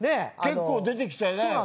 結構出てきてね。